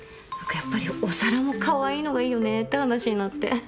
なんかやっぱりお皿もかわいいのがいいよねって話になって。